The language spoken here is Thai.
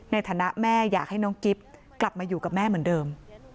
ในฐานะแม่อยากให้น้องกิ๊บกลับมาอยู่กับแม่เหมือนเดิม